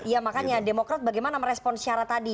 ya makanya demokrat bagaimana me respon syarat tadi